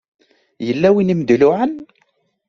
Yella win i m-d-iluɛan?